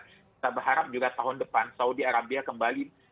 kita berharap juga tahun depan saudi arabia kembali